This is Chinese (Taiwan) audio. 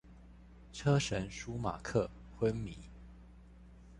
車神舒馬克昏迷